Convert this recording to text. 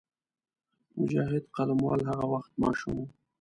مجاهد قلموال هغه وخت ماشوم وو.